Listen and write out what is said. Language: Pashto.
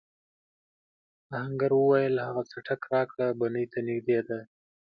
آهنګر وویل هغه څټک راکړه بنۍ ته نږدې دی.